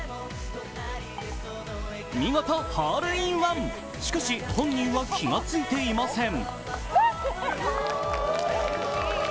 見事ホールインワン、しかし本人は気が付いていません。